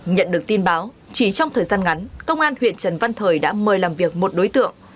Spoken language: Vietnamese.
nhận được tin báo chỉ trong thời gian ngắn công an huyện trần văn thời đã mời làm việc một đối tượng